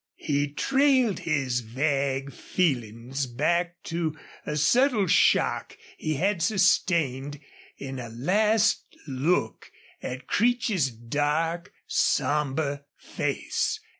He trailed his vague feelings back to a subtle shock he had sustained in a last look at Creech's dark, somber face.